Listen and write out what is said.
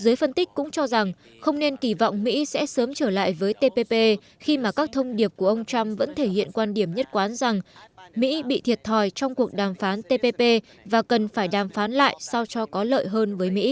giới phân tích cũng cho rằng không nên kỳ vọng mỹ sẽ sớm trở lại với tpp khi mà các thông điệp của ông trump vẫn thể hiện quan điểm nhất quán rằng mỹ bị thiệt thòi trong cuộc đàm phán tpp và cần phải đàm phán lại sao cho có lợi hơn với mỹ